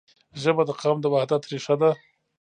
ژبه د قام د وحدت رښه ده.